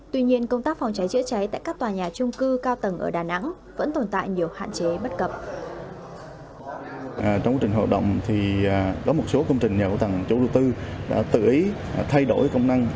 tuy nhiên công tác phòng cháy chữa cháy tại các tòa nhà trung cư cao tầng ở đà nẵng vẫn tồn tại nhiều hạn chế bất cập